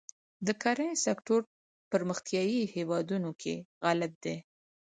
د کرهڼې سکتور پرمختیايي هېوادونو کې غالب دی.